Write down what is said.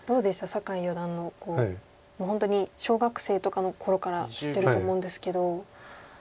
酒井四段のもう本当に小学生とかの頃から知ってると思うんですけど。